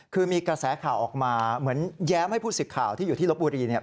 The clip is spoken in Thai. คือมีกระแสข่าวออกมาเหมือนแย้มให้ผู้สิทธิ์ข่าวที่อยู่ที่ลบบุรีเนี่ย